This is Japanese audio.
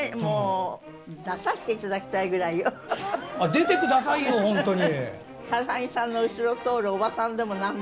出てくださいよ、本当に。